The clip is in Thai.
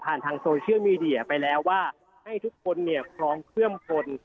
ผ่านทางโซเชียลมีเดียไปแล้วว่าให้ทุกคนพร้อมเคลื่อนปน